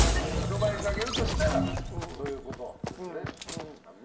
アドバイスあげるとしたらそういうことですね。